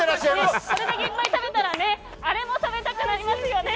これ食べたらあれも食べたくなりますよね。